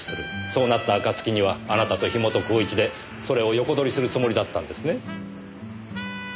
そうなった暁にはあなたと樋本晃一でそれを横取りするつもりだったんですね？